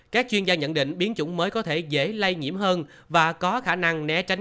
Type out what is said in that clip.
các chuyên gia nhận định biến chủng mới có thể dễ lây nhiễm hơn và có khả năng né tránh